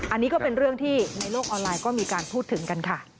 อันนี้ก็เป็นเรื่องที่ในโลกออนไลน์ก็มีการพูดถึงกันค่ะ